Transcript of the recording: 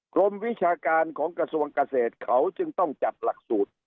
วิชาการของกระทรวงเกษตรเขาจึงต้องจัดหลักสูตร